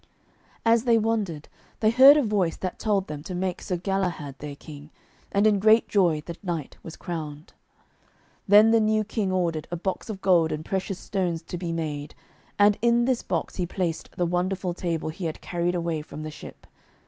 As they wondered, they heard a voice that told them to make Sir Galahad their King, and in great joy the knight was crowned. Then the new King ordered a box of gold and precious stones to be made, and in this box he placed the wonderful table he had carried away from the ship.